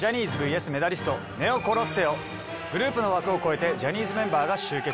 グループの枠を超えてジャニーズメンバーが集結。